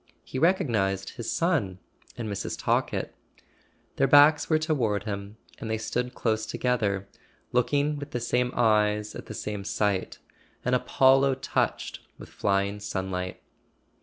He recognized his son and Mrs. Talkett. Their backs were toward him, and they stood close together, looking with the same eyes at the same sight: an Apollo touched with flying sunlight.